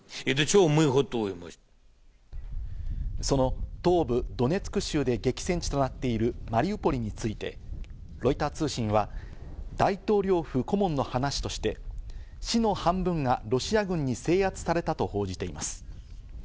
その東部ドネツク州で激戦地となっているマリウポリについて、ロイター通信は大統領府顧問の話として市の半分がロシア軍に制圧されたと報じています。